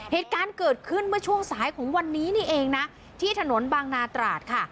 เหตุการณ์เกิดขึ้นเมื่อช่วงสายของวันนี้นี่เองนะที่ถนนบางนาตราดค่ะ